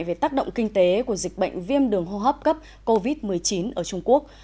về tác động kinh tế của dịch bệnh viêm đường hô hấp cấp covid một mươi chín ở trung quốc